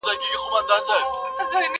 زه پوهېږم شیدې سپیني دي غوا توره؛